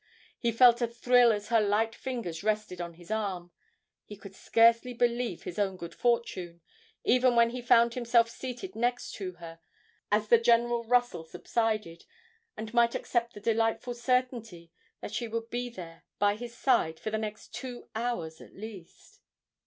He felt a thrill as her light fingers rested on his arm; he could scarcely believe his own good fortune, even when he found himself seated next to her as the general rustle subsided, and might accept the delightful certainty that she would be there by his side for the next two hours at least.